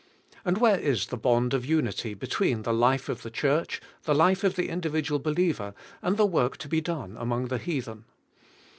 And where is the bond of unity between the life of the Church, the life of the individual believer and the work to be done among the heathen?